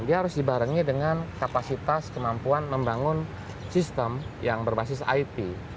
dia harus dibarengi dengan kapasitas kemampuan membangun sistem yang berbasis it